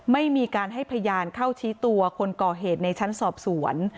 ไม่มีการให้พยานเข้าชี้ตัวคนก่อเหตุในชั้นสอบสวน